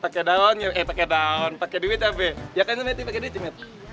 pake daun ya eh pake daun pake duit ya be ya kan met pake duit ya met